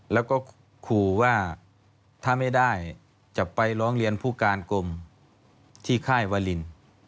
แล้วก็ขู่ว่าถ้าไม่ได้จะไปร้องเรียนผู้การกรมที่ค่ายวาลิน